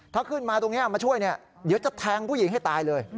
ถ้าขึ้นมาตรงนี้มาช่วยเนี่ยเดี๋ยวจะแทงผู้หญิงให้ตายเลย